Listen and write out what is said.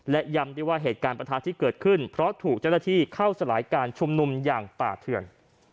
และย้ำได้ว่าเหตุการณ์ประทะที่เกิดขึ้นเพราะถูกเจ้าหน้าที่เข้าสลายการชุมนุมอย่างป่าเถื่อน